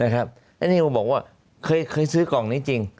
แล้วนี่เขาบอกว่าเคยซื้อกล่องนี้จริง